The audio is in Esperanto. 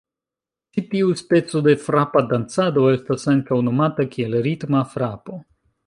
Ĉi tiu speco de frapa dancado estas ankaŭ nomata kiel ritma frapo.